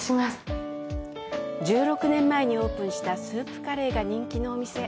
１６年前にオープンしたスープカレーが人気のお店。